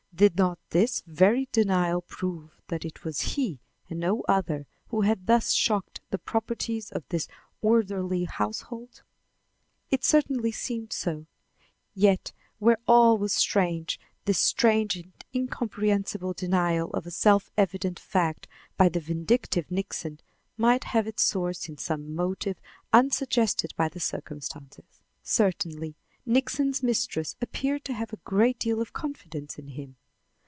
Did not this very denial prove that it was he and no other who had thus shocked the proprieties of this orderly household? It certainly seemed so; yet where all was strange, this strange and incomprehensible denial of a self evident fact by the vindictive Nixon might have its source in some motive unsuggested by the circumstances. Certainly, Nixon's mistress appeared to have a great deal of confidence in him.